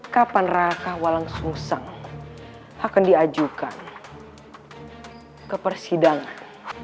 kapan rakah walang sungseng akan diajukan ke persidangan